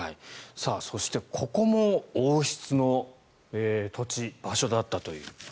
そして、ここも王室の土地、場所だったと。